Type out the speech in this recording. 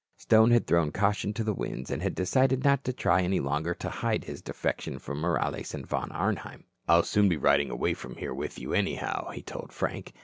Stone had thrown caution to the winds, and had decided not to try any longer to hide his defection from Morales and Von Arnheim. "I'll soon be riding away from here with you, anyhow," he told Frank.